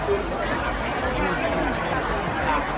การรับความรักมันเป็นอย่างไร